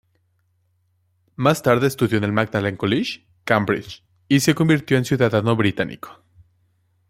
Más tarde estudió en el Magdalene College, Cambridge y se convirtió en ciudadano británico.